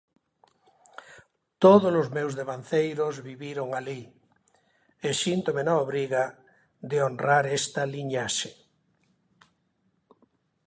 Todos os meus devanceiros viviron alí e síntome na obriga de honrar esta liñaxe.